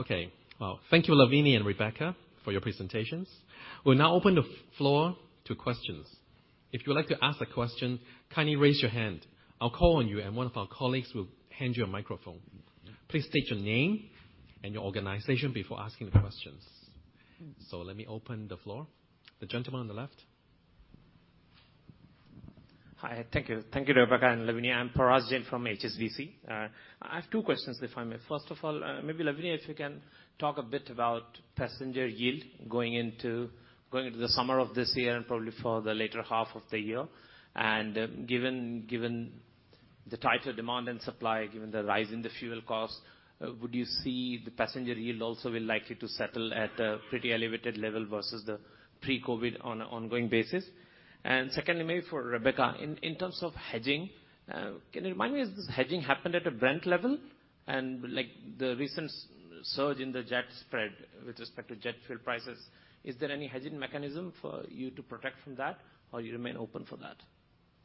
Okay, well, thank you, Lavinia and Rebecca, for your presentations. We'll now open the floor to questions. If you would like to ask a question, kindly raise your hand. I'll call on you, and one of our colleagues will hand you a microphone. Please state your name and your organization before asking the questions. Let me open the floor. The gentleman on the left. Hi, thank you. Thank you, Rebecca and Lavinia. I'm Parash Jain from HSBC. I have 2 questions, if I may. First of all, maybe, Lavinia, if you can talk a bit about passenger yield going into, going into the summer of this year and probably for the latter half of the year. Given, given the tighter demand and supply, given the rise in the fuel costs, would you see the passenger yield also will likely to settle at a pretty elevated level versus the pre-COVID on an ongoing basis? Secondly, maybe for Rebecca, in, in terms of hedging, can you remind me, has this hedging happened at a Brent level? Like the recent surge in the jet spread with respect to jet fuel prices, is there any hedging mechanism for you to protect from that, or you remain open for that?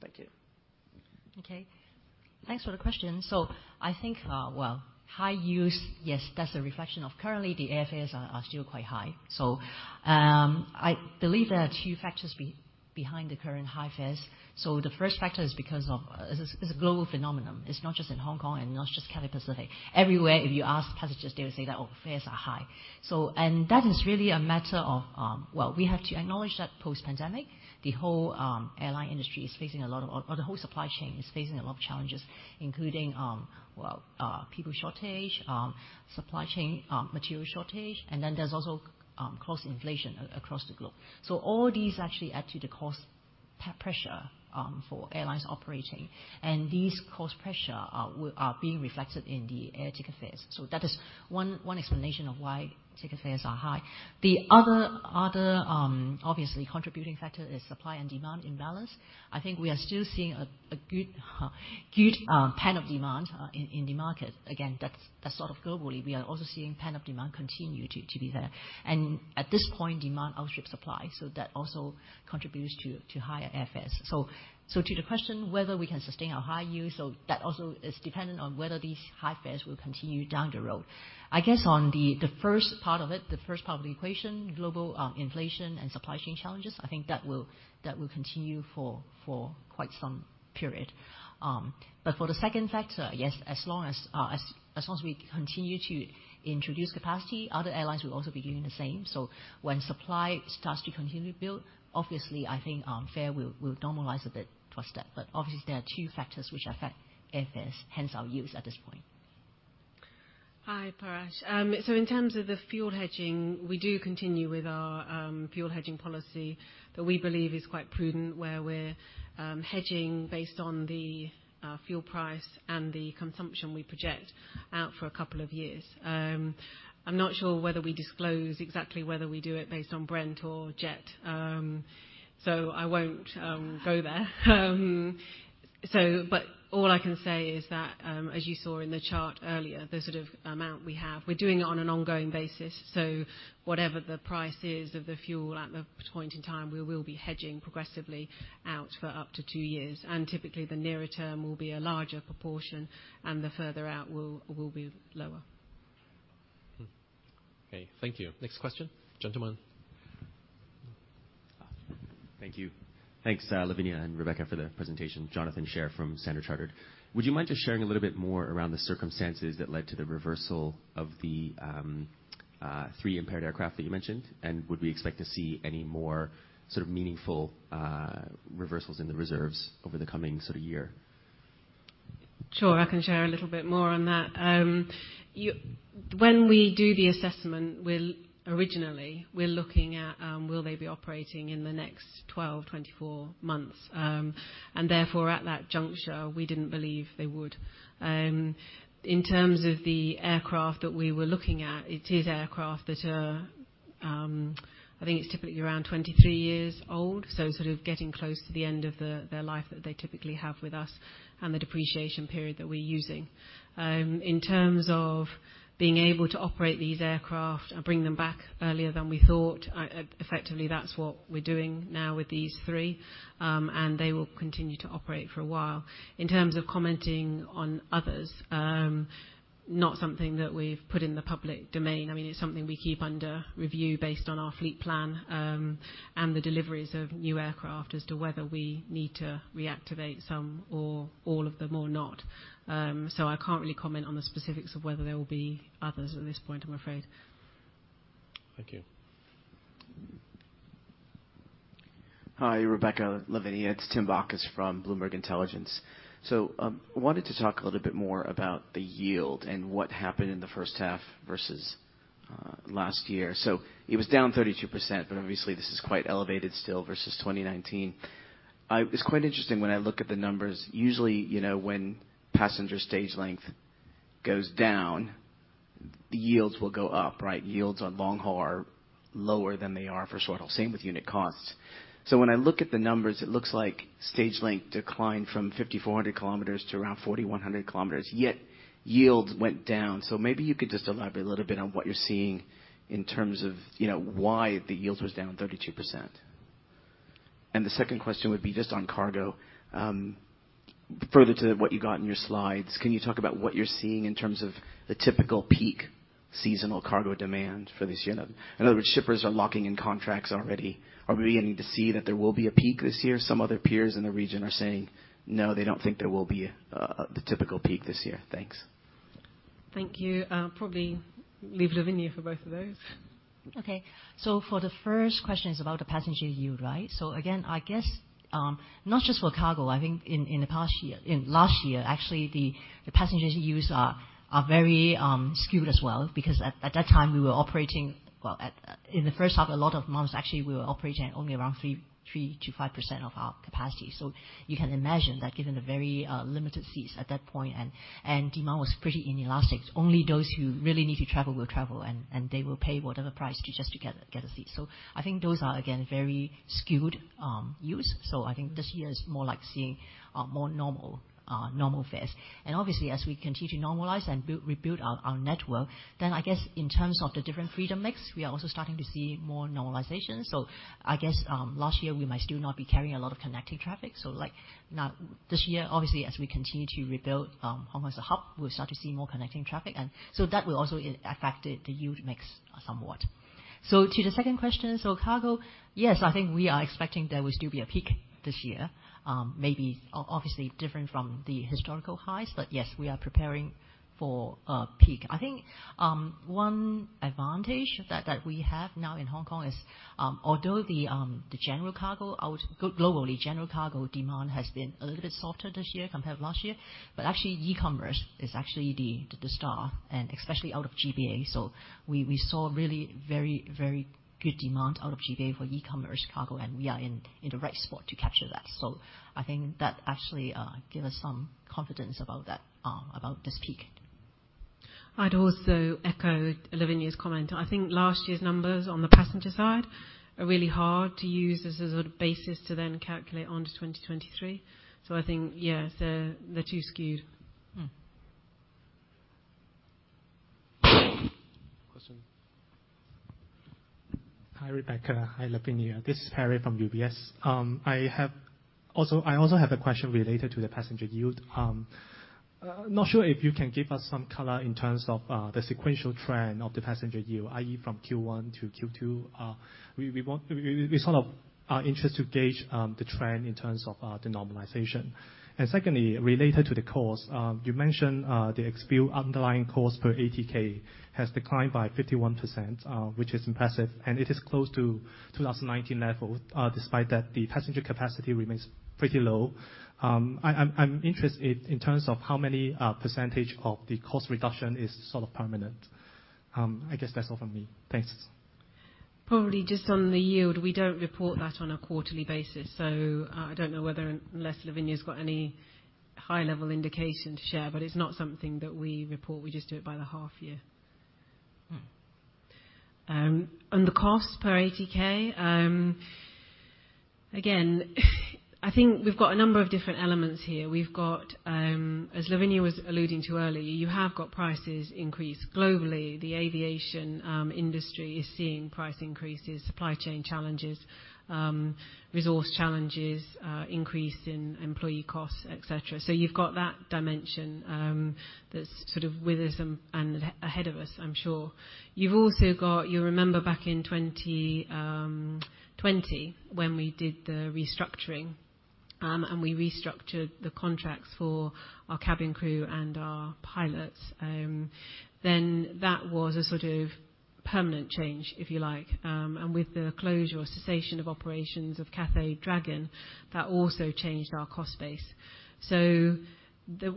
Thank you. Okay, thanks for the question. I think, well, high use, yes, that's a reflection of currently the airfares are still quite high. I believe there are two factors behind the current high fares. The first factor is because of... It's a, it's a global phenomenon. It's not just in Hong Kong, and not just Cathay Pacific. Everywhere, if you ask passengers, they will say that, "Oh, fares are high." That is really a matter of... Well, we have to acknowledge that post-pandemic, the whole airline industry is facing a lot of, or the whole supply chain is facing a lot of challenges, including, well, people shortage, supply chain, material shortage, and then there's also cost inflation across the globe. All these actually add to the cost pressure for airlines operating, and these cost pressure are being reflected in the air ticket fares. That is one explanation of why ticket fares are high. The other obviously contributing factor is supply and demand imbalance. I think we are still seeing a good pent-up demand in the market. Again, that's sort of globally. We are also seeing pent-up demand continue to be there. At this point, demand outstrips supply, so that also contributes to higher airfares. To the question whether we can sustain our high use, so that also is dependent on whether these high fares will continue down the road. I guess, on the, the first part of it, the first part of the equation, global, inflation and supply chain challenges, I think that will, that will continue for, for quite some period. For the second factor, yes, as long as, as, as long as we continue to introduce capacity, other airlines will also be doing the same. When supply starts to continue to build, obviously, I think, fare will, will normalize a bit for us there. Obviously there are two factors which affect airfares, hence, our use at this point. Hi, Paras. In terms of the fuel hedging, we do continue with our fuel hedging policy that we believe is quite prudent, where we're hedging based on the fuel price and the consumption we project out for 2 years. I'm not sure whether we disclose exactly whether we do it based on Brent or jet. I won't go there. All I can say is that, as you saw in the chart earlier, the sort of amount we have, we're doing it on an ongoing basis, so whatever the price is of the fuel at the point in time, we will be hedging progressively out for up to 2 years. Typically, the nearer term will be a larger proportion, and the further out will be lower. Okay. Thank you. Next question, gentleman. Thank you. Thanks, Lavinia and Rebecca, for the presentation. Cathay Pacific Airways. Would you mind just sharing a little bit more around the circumstances that led to the reversal of the three impaired aircraft that you mentioned? Would we expect to see any more sort of meaningful reversals in the reserves over the coming sort of year? Sure, I can share a little bit more on that. When we do the assessment, originally, we're looking at, will they be operating in the next 12, 24 months? Therefore, at that juncture, we didn't believe they would. In terms of the aircraft that we were looking at, it is aircraft that are, I think it's typically around 23 years old, so sort of getting close to the end of the, the life that they typically have with us and the depreciation period that we're using. In terms of being able to operate these aircraft and bring them back earlier than we thought, effectively, that's what we're doing now with these 3. They will continue to operate for a while. In terms of commenting on others, not something that we've put in the public domain. I mean, it's something we keep under review based on our fleet plan, and the deliveries of new aircraft as to whether we need to reactivate some or all of them or not. I can't really comment on the specifics of whether there will be others at this point, I'm afraid. Thank you. Mm-hmm. Hi, Rebecca, Lavinia. It's Tim Bacchus from Bloomberg Intelligence. I wanted to talk a little bit more about the yield and what happened in the first half versus last year. It was down 32%, but obviously, this is quite elevated still versus 2019. It's quite interesting when I look at the numbers. Usually, you know, when passenger stage length goes down, the yields will go up, right? Yields on long haul are lower than they are for short haul. Same with unit costs. When I look at the numbers, it looks like stage length declined from 5,400 kilometers to around 4,100 kilometers, yet yields went down. Maybe you could just elaborate a little bit on what you're seeing in terms of, you know, why the yields was down 32%.... The second question would be just on cargo. Further to what you got in your slides, can you talk about what you're seeing in terms of the typical peak seasonal cargo demand for this year? In other words, shippers are locking in contracts already. Are we beginning to see that there will be a peak this year? Some other peers in the region are saying, no, they don't think there will be the typical peak this year. Thanks. Thank you. I'll probably leave Lavinia for both of those. Okay. For the first question, it's about the passenger yield, right? Again, I guess, not just for cargo. I think in the past year, in last year, actually, the passenger yields are very skewed as well, because at that time, we were operating... Well, in the first half, a lot of months, actually, we were operating at only around 3-5% of our capacity. You can imagine that given the very limited seats at that point, and demand was pretty inelastic, only those who really need to travel will travel, and they will pay whatever price to just to get a seat. I think those are, again, very skewed yields. I think this year is more like seeing more normal normal fares. Obviously, as we continue to normalize and build, rebuild our, our network, then I guess, in terms of the different freedom mix, we are also starting to see more normalization. I guess, last year we might still not be carrying a lot of connecting traffic. Like now, this year, obviously, as we continue to rebuild, Hong Kong as a hub, we'll start to see more connecting traffic, and so that will also affect the, the yield mix somewhat. To the second question, so cargo, yes, I think we are expecting there will still be a peak this year. Maybe obviously different from the historical highs, but yes, we are preparing for a peak. I think, one advantage that, that we have now in Hong Kong is, although the, the general cargo, out- globally, general cargo demand has been a little bit softer this year compared to last year, actually, e-commerce is actually the, the star, and especially out of GBA. We, we saw really very, very good demand out of GBA for e-commerce cargo, and we are in, in the right spot to capture that. I think that actually, give us some confidence about that, about this peak. I'd also echo Lavinia's comment. I think last year's numbers on the passenger side are really hard to use as a sort of basis to then calculate onto 2023. I think, yes, they're, they're too skewed. Mm. Question. Hi, Rebecca. Hi, Lavinia. This is Harry from UBS. I also have a question related to the passenger yield. Not sure if you can give us some color in terms of the sequential trend of the passenger yield, i.e., from Q1 to Q2. We sort of are interested to gauge the trend in terms of the normalization. Secondly, related to the cost, you mentioned the experienced underlying cost per ATK has declined by 51%, which is impressive, and it is close to 2019 level, despite that the passenger capacity remains pretty low. I'm interested in terms of how many percentage of the cost reduction is sort of permanent. I guess that's all from me. Thanks. Probably just on the yield, we don't report that on a quarterly basis, so I, I don't know whether unless Lavinia's got any high-level indication to share, but it's not something that we report. We just do it by the half year. Mm. On the cost per ATK, again, I think we've got a number of different elements here. We've got. As Lavinia was alluding to earlier, you have got prices increase globally. The aviation industry is seeing price increases, supply chain challenges, resource challenges, increase in employee costs, et cetera. You've got that dimension, that's sort of with us and, and ahead of us, I'm sure. You've also got, you remember back in 2020 when we did the restructuring, and we restructured the contracts for our cabin crew and our pilots, that was a sort of permanent change, if you like. With the closure or cessation of operations of Cathay Dragon, that also changed our cost base.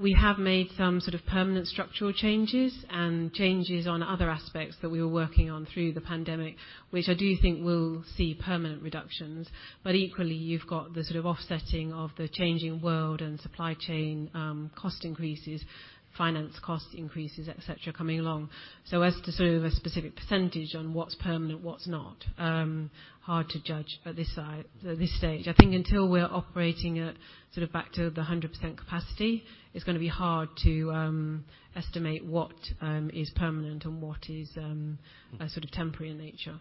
We have made some sort of permanent structural changes and changes on other aspects that we were working on through the pandemic, which I do think will see permanent reductions. Equally, you've got the sort of offsetting of the changing world and supply chain, cost increases, finance cost increases, et cetera, coming along. As to sort of a specific % on what's permanent, what's not, hard to judge at this stage. I think until we're operating at sort of back to the 100% capacity, it's gonna be hard to estimate what is permanent and what is a sort of temporary in nature.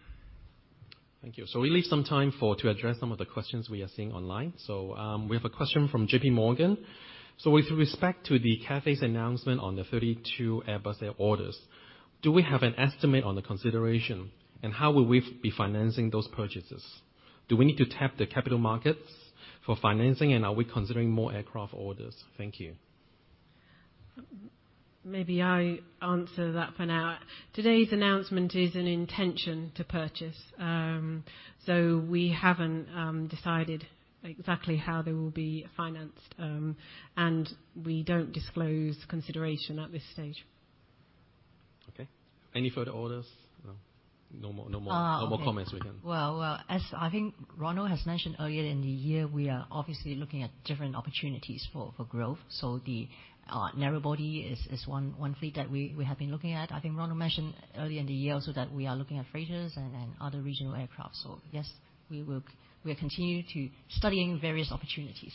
Thank you. We leave some time for to address some of the questions we are seeing online. We have a question from JP Morgan. With respect to the Cathay's announcement on the 32 Airbus orders, do we have an estimate on the consideration, and how will we be financing those purchases? Do we need to tap the capital markets for financing, and are we considering more aircraft orders? Thank you. Maybe I answer that for now. Today's announcement is an intention to purchase, so we haven't decided exactly how they will be financed, and we don't disclose consideration at this stage. Okay. Any further orders? No. No more, no more- Uh, No more comments we can... Well, as I think Ronald has mentioned earlier in the year, we are obviously looking at different opportunities for, for growth. The narrow body is, is one, one fleet that we, we have been looking at. I think Ronald mentioned earlier in the year also that we are looking at freighters and, and other regional aircraft. Yes, we are continuing to studying various opportunities.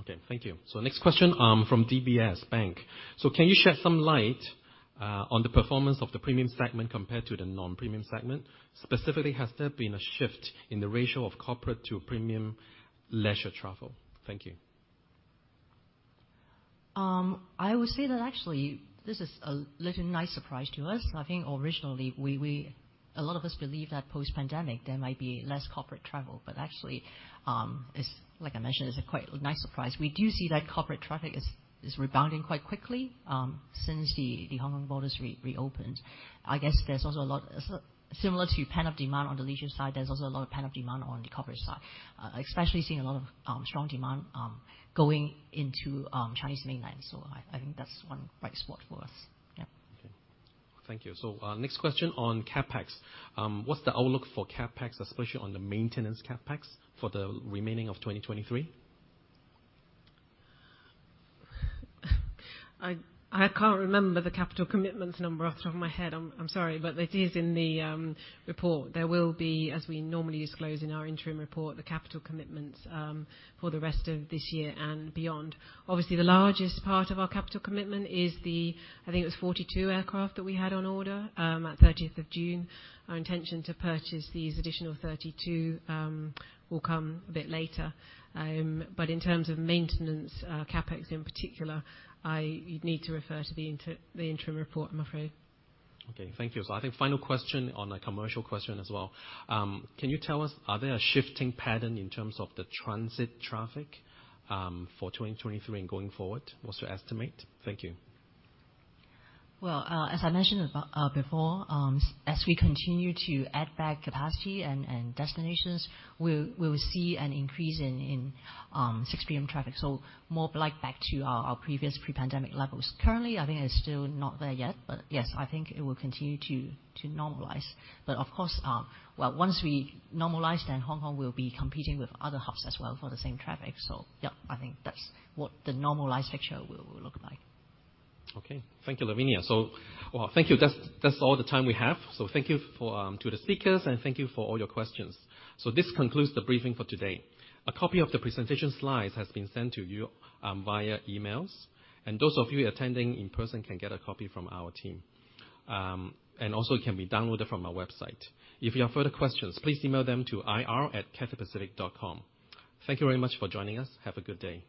Okay, thank you. Next question, from DBS Bank. Can you shed some light on the performance of the premium segment compared to the non-premium segment? Specifically, has there been a shift in the ratio of corporate to premium leisure travel? Thank you. I would say that actually this is a little nice surprise to us. I think originally, we, a lot of us believed that post-pandemic, there might be less corporate travel, but actually, it's like I mentioned, it's a quite nice surprise. We do see that corporate traffic is rebounding quite quickly, since the Hong Kong borders reopened. I guess there's also a lot, similar to pent-up demand on the leisure side, there's also a lot of pent-up demand on the corporate side. especially seeing a lot of strong demand going into Chinese mainland. I, I think that's one bright spot for us. Yeah. Okay. Thank you. Next question on CapEx. What's the outlook for CapEx, especially on the maintenance CapEx, for the remaining of 2023? I, I can't remember the capital commitments number off the top of my head. I'm, I'm sorry, it is in the report. There will be, as we normally disclose in our interim report, the capital commitments for the rest of this year and beyond. Obviously, the largest part of our capital commitment is the... I think it was 42 aircraft that we had on order at 30th of June. Our intention to purchase these additional 32 will come a bit later. In terms of maintenance, CapEx in particular, you'd need to refer to the interim report, I'm afraid. Okay. Thank you. I think final question on a commercial question as well. Can you tell us, are there a shifting pattern in terms of the transit traffic, for 2023 and going forward? What's your estimate? Thank you. Well, as I mentioned before, as we continue to add back capacity and destinations, we will see an increase in sixth freedom traffic, so more like back to our previous pre-pandemic levels. Currently, I think it's still not there yet, but yes, I think it will continue to, to normalize. Of course, well, once we normalize, then Hong Kong will be competing with other hubs as well for the same traffic. Yeah, I think that's what the normalized picture will look like. Okay. Thank you, Lavinia. Well, thank you. That's, that's all the time we have. Thank you for to the speakers, and thank you for all your questions. This concludes the briefing for today. A copy of the presentation slides has been sent to you, via emails, and those of you attending in person can get a copy from our team. Also it can be downloaded from our website. If you have further questions, please email them to ir@cathaypacific.com. Thank you very much for joining us. Have a good day.